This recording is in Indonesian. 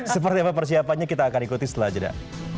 seperti apa persiapannya kita akan ikuti setelah jeda